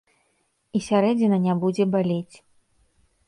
І сярэдзіна не будзе балець.